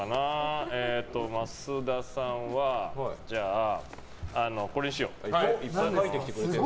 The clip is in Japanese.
増田さんはこれにしよう。